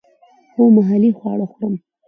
هو، محلی خواړه خورم